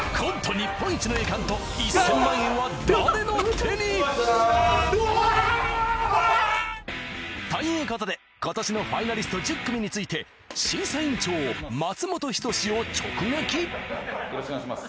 日本一の栄冠と１０００万円は誰の手に？ということで今年のファイナリスト１０組についてよろしくお願いします